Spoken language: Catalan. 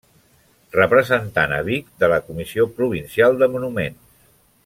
Representant a Vic de la comissió provincial de Monuments.